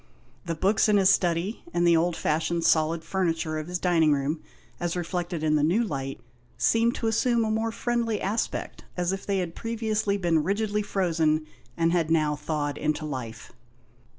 The books in his study, and the old fashioned solid furniture of his dining room, as reflected in the new light, seemed to assume a more friendly aspect, as if they had previously been rigidly frozen, and had now thawed into life.